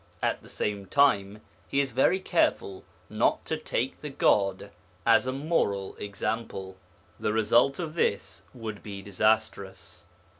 At the same time he is very careful not to take the God as a moral example; the result of this would be disastrous.